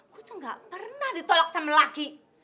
aku tuh gak pernah ditolak sama laki